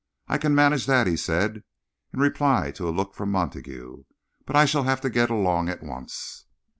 "I can manage it," he said, in reply to a look from Montague, "but I shall have to get along at once."